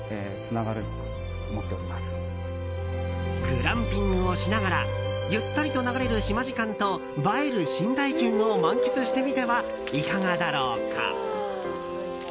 グランピングをしながらゆったりと流れる島時間と映える新体験を満喫してみてはいかがだろうか。